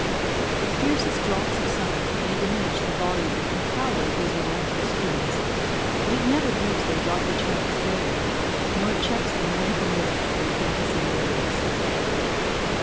The fiercest droughts of summer may diminish the volume and power of these romantic streams, but it never leaves their rocky channels bare, nor checks the mournful music of their dancing waves.